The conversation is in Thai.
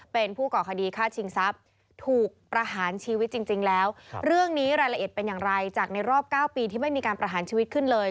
เป็นผู้ก่อคดีฆ่าชิงทรัพย์ถูกประหารชีวิตจริงแล้วเรื่องนี้รายละเอียดเป็นอย่างไรจากในรอบ๙ปีที่ไม่มีการประหารชีวิตขึ้นเลย